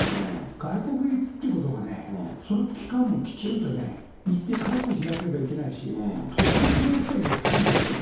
外国行くってことがね、その期間、きちんと日程確保しなければいけないし、特別なやっぱり、ときですよ。